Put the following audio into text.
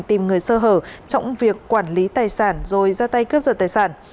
tìm người sơ hở trong việc quản lý tài sản rồi ra tay cướp giật tài sản